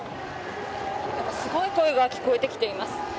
すごい声が聞こえてきています。